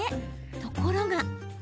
ところが。